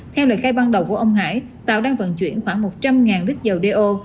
theo lời khai ban đầu của ông hải tàu đang vận chuyển khoảng một trăm linh lít dầu đeo